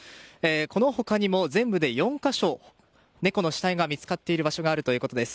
この他にも全部で４か所猫の死体が見つかっている場所があるということです。